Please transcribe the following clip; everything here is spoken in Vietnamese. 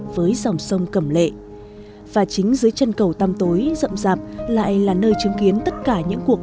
với dòng sông cẩm lệ và chính dưới chân cầu tăm tối rộng rạp lại là nơi chứng kiến tất cả những cuộc